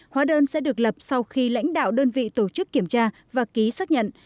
hóa đơn sẽ được lập sau khi lãnh đạo đơn vị tổ chức kiểm tra và ký xác nhận